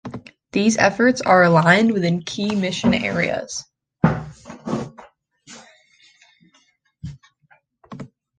These efforts are aligned within key mission areas.